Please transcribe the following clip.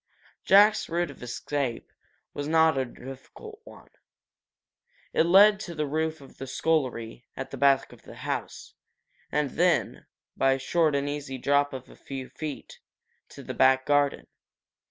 Jack's route of escape was not a difficult one. It led to the roof of the scullery, at the back of the house, and then, by a short and easy drop of a few feet, to the back garden.